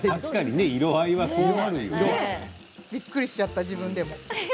びっくりしちゃった自分でも。